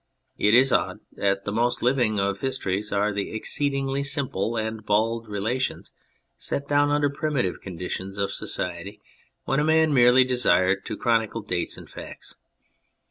It is odd that the most living of histories are the exceed ingly simple and bald relations set down under primitive conditions of society when a man merely desired to chronicle dates and facts.